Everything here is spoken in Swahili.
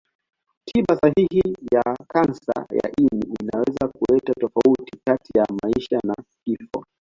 Tiba sahihi ya kansa ya ini inaweza kuleta tofauti kati ya maisha na kifo.